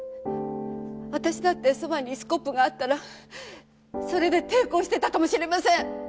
私だってそばにスコップがあったらそれで抵抗してたかもしれません！